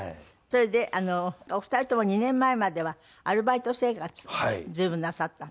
それでお二人とも２年前まではアルバイト生活を随分なさった。